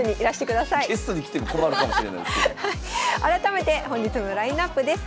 改めて本日のラインナップです。